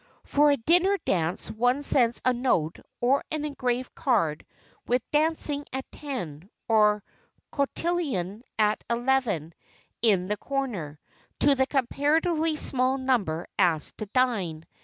For a dinner dance one sends a note or an engraved card with "Dancing at ten" or "Cotillion at eleven" in the corner, to the comparatively small number asked to dine.